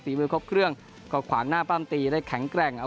มือครบเครื่องก็ขวางหน้าปั้มตีได้แข็งแกร่ง